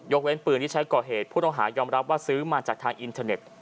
ยกเว้นปืนที่ใช้ก่อเหตุพวกทภยอมรับซื้อมาจากทางอินเทอร์เน็ต